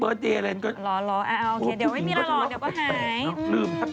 เหรอโอเคเดี๋ยวไม่มีละลองเดี๋ยวก็หายพวกผู้หญิงก็จะรอแปลก